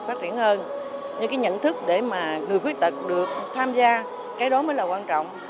phát triển hơn nhưng cái nhận thức để mà người khuyết tật được tham gia cái đó mới là quan trọng